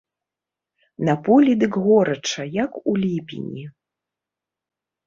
На полі дык горача, як у ліпені.